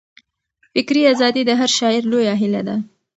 فکري ازادي د هر شاعر لویه هیله ده.